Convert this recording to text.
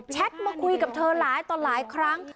มาคุยกับเธอหลายต่อหลายครั้ง